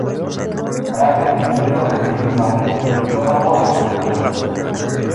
Fraates I recibió una flecha en el estómago y falleció.